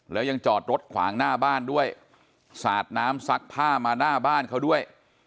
แล้วยังจอดรถขวางหน้าบ้านด้วยสาดน้ำซักผ้ามาหน้าบ้านเขาด้วย